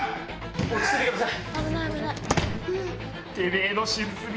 落ち着いてください。